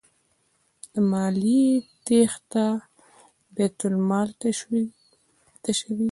له مالیې تیښته بیت المال تشوي.